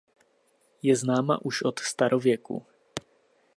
Je známa už od starověku.